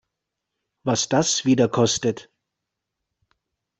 Was das wieder kostet!